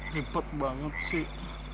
nipet banget sih